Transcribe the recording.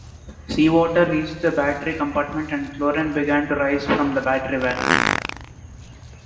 Seawater reached the battery compartment and chlorine began to rise from the battery well.